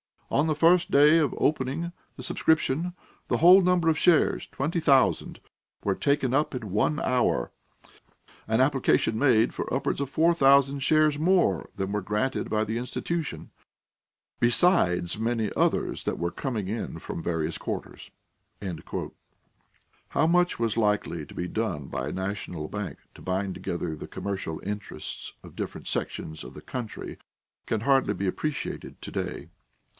On the first day of opening the subscription, the whole number of shares (twenty thousand) were taken up in one hour, and application made for upwards of four thousand shares more than were granted by the institution, besides many others that were coming in from various quarters." How much was likely to be done by a national bank to bind together the commercial interests of different sections of the country can hardly be appreciated to day.